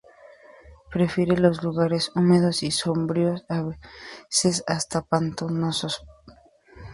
Prefiere los lugares húmedos y sombríos, a veces hasta pantanosos.